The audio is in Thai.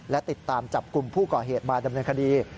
และติดตามจับกลุ่มผู้ก่อเหตุมาดำเนินคดี